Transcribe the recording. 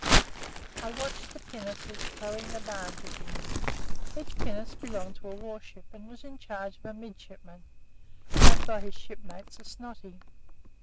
I watched the pinnaces towing the barges in. Each pinnace belonged to a warship and was in charge of a midshipman dubbed by his shipmates a "snotty."